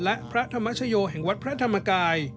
และพระธรรมชโยแห่งวัดพระธรรมกาย